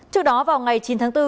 trước đó vào ngày chín tháng ba